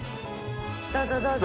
どうぞどうぞ。